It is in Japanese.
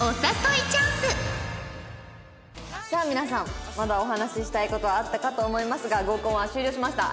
さあ皆さんまだお話ししたい事あったかと思いますが合コンは終了しました。